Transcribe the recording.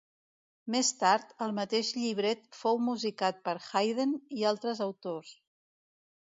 Més tard, el mateix llibret fou musicat per Haydn i altres autors.